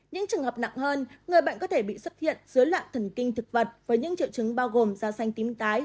những trường hợp nặng hơn người bệnh có thể bị xuất hiện dưới loạn thần kinh thực vật với những triệu chứng bao gồm da xanh tím tái